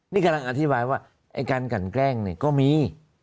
นี่กำลังอธิบายว่าไอ้การกันแกล้งเนี่ยก็มี